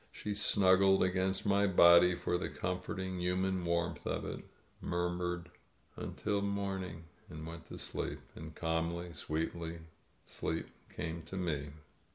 She snuggled against my body for the comfort ing human warmth of it, murmured, "Until morning,'* and went to sleep. And calmly, sweetly, sleep came to me.